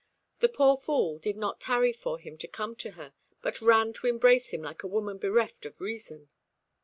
The poor fool did not tarry for him to come to her, but ran to embrace him like a woman bereft of reason.